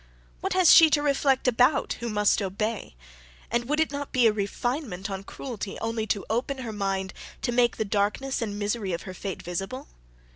What has she to reflect about, who must obey? and would it not be a refinement on cruelty only to open her mind to make the darkness and misery of her fate VISIBLE?